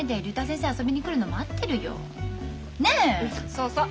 そうそう。